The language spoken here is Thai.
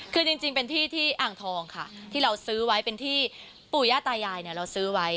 คือจริงเป็นที่ที่อ่างทองค่ะที่เราซื้อไว้เป็นที่ปู่ย่าตายายเนี่ยเราซื้อไว้